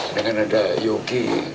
dengan ada yogi